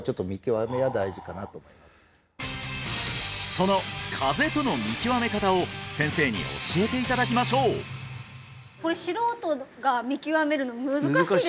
その風邪との見極め方を先生に教えていただきましょうこれ素人が見極めるの難しいですよね